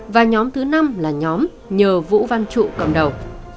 và nhóm thứ năm là nhóm nhờ vũ văn trụ cầm đầu